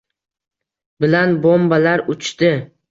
Bilan bombalar uchdi